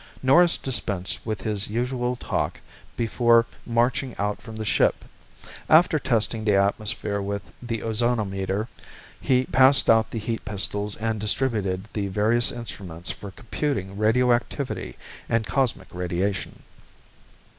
Norris dispensed with his usual talk before marching out from the ship. After testing the atmosphere with the ozonometer, he passed out the heat pistols and distributed the various instruments for computing radioactivity and cosmic radiation.